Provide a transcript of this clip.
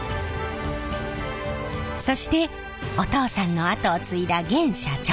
そしてお父さんの後を継いだ現社長。